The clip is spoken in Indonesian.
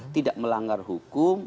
tidak melanggar hukum